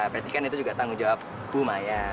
berarti kan itu juga tanggung jawab bu maya